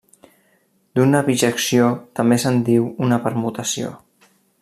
D'una bijecció també se'n diu una permutació.